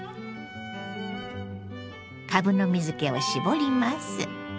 かぶの水けを絞ります。